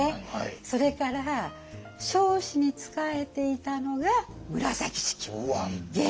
それから彰子に仕えていたのが紫式部。